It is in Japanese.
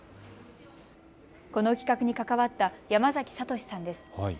この自宅に関わった山崎賢さんです。